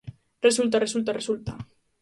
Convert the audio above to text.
Resulta, resulta, resulta.